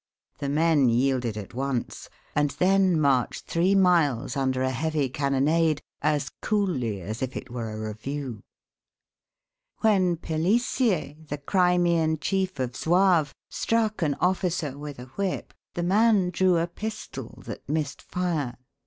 The men yielded at once, and then marched three miles under a heavy cannonade as coolly as if it were a review. When Pellisier, the Crimean chief of Zouaves, struck an officer with a whip, the man drew a pistol that missed fire.